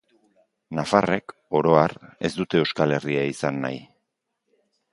Nafarrek, oro har, ez dute Euskal Herria izan nahi.